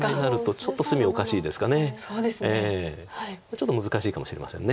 ちょっと難しいかもしれません。